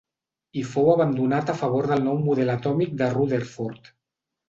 I fou abandonat a favor del nou Model atòmic de Rutherford.